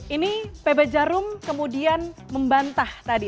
ini pb jarum kemudian membantah tadi